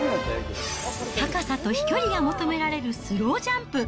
高さと飛距離が求められるスロージャンプ。